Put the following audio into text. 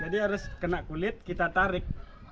jadi harus kena kulit kita tarik